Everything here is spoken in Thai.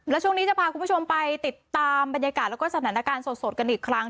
แล้วช่วงนี้จะพาคุณผู้ชมไปติดตามบรรยากาศแล้วก็สถานการณ์สดกันอีกครั้ง